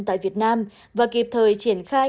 tại việt nam và kịp thời triển khai